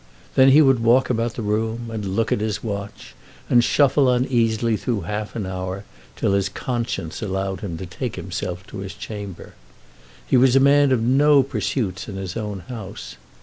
Then he would walk about the room, and look at his watch, and shuffle uneasily through half an hour till his conscience allowed him to take himself to his chamber. He was a man of no pursuits in his own house.